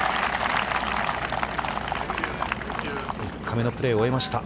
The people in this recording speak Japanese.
３日目のプレーを終えました。